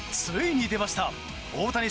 ついに出ましたね。